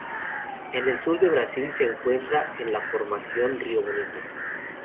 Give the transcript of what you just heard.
En el sur de Brasil se encuentran en la Formación Río Bonito.